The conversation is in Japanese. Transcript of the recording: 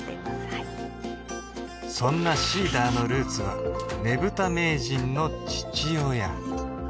はいそんなＳｅｅｄｅｒのルーツはねぶた名人の父親